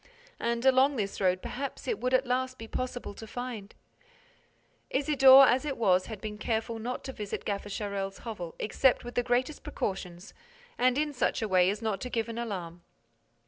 And, along this road, perhaps it would at last be possible to find— Isidore, as it was, had been careful not to visit Gaffer Charel's hovel except with the greatest precautions and in such a way as not to give an alarm.